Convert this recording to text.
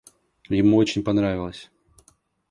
Ему очень понравилось.